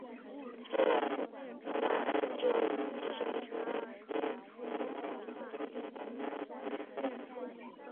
然而这五间小学仍然不能满足当地逐年增加的华裔人口。